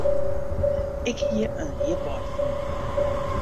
Ik hie in ljipaai fûn.